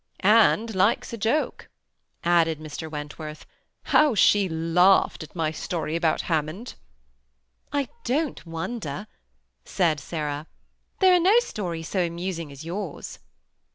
'* And likes a joke," added Mr. Wentworth. " How she laughed at my story about Hammond !"I don't wonder," said Sarah ;" there are no stories so amusing as yours."